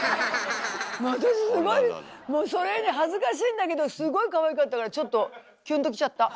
もう私すごいもうそれに恥ずかしいんだけどすごいかわいかったからちょっとキュンときちゃった。